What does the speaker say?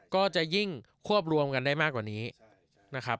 ก็จะยิ่งควบรวมกันได้มากกว่านี้นะครับ